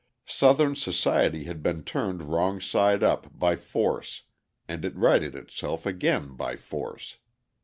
Southern society had been turned wrong side up by force, and it righted itself again by force.